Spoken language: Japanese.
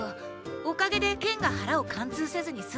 おかげで剣が腹を貫通せずにすんだんです。